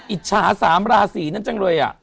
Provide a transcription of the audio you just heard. อิจฉา๓ราศีนั้นจังเลย